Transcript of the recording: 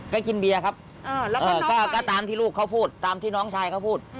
ก็กินเบียร์ครับแล้วก็ตามที่ลูกเขาพูดตามที่น้องชายเขาพูด